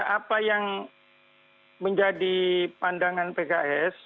apa yang menjadi pandangan pks